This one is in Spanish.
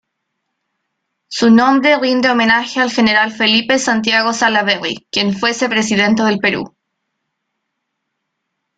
Su nombre rinde homenaje al general Felipe Santiago Salaverry, quien fuese presidente del Perú.